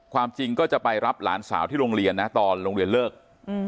ความจริงก็จะไปรับหลานสาวที่โรงเรียนนะตอนโรงเรียนเลิก